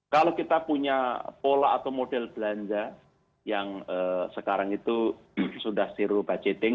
kalau kita punya pola atau model belanja yang sekarang itu sudah zero budgeting